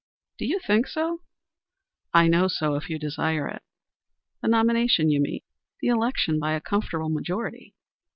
"Do you think so?" "I know so, if you desire it." "The nomination, you mean?" "The election by a comfortable majority."